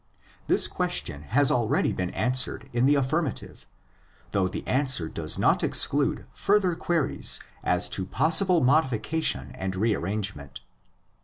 This question has already been answered in the affirmative, though the answer does not exclude further queries as to possible modification and rearrangement.